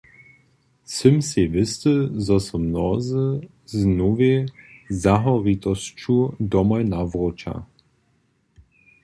Sym sej wěsty, zo so mnozy z nowej zahoritosću domoj nawróća.